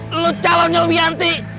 kamu calon nyobianti